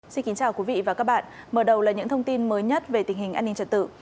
xin kính chào quý vị và các bạn mở đầu là những thông tin mới nhất về tình hình an ninh trật tự